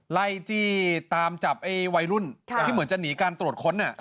ไล่จี้ตามจับไอ้วัยรุ่นที่เหมือนจะหนีการตรวจค้น